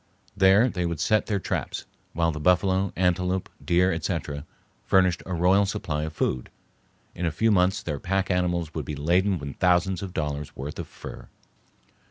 There they would set their traps, while the buffalo, antelope, deer, etc., furnished a royal supply of food. In a few months their pack animals would be laden with thousands of dollars' worth of fur.